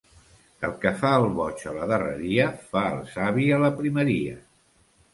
El que fa el boig a la darreria, fa el savi a la primeria.